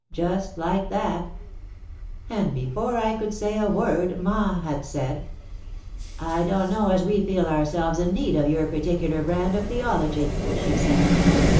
Just like that. [Sidenote: A Souvenir] "And before I could say a word, Ma had said: 'I dunno as we feel ourselves in need of your particular brand of theology,' she says.